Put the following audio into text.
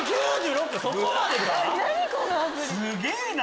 すげぇな！